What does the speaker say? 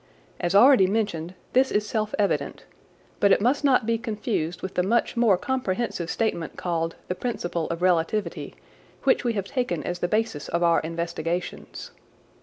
As already mentioned, this is self evident, but it must not be confused with the much more comprehensive statement called "the principle of relativity," which we have taken as the basis of our investigations.